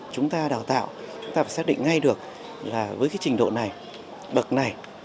chúng ta đào tạo chúng ta phải xác định ngay được là với cái trình độ này bậc này